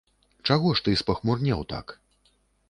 Чаго ж ты спахмурнеў так?